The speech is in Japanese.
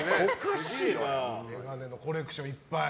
眼鏡のコレクションいっぱい。